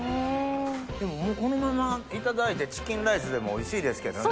もうこのままいただいてチキンライスでもおいしいですけどね。